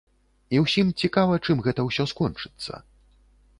І ўсім цікава, чым гэта ўсё скончыцца.